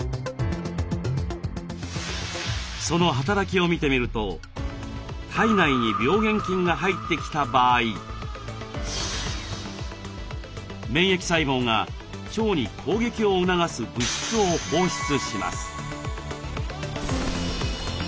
その働きを見てみると体内に病原菌が入ってきた場合免疫細胞が腸に攻撃を促す物質を放出します。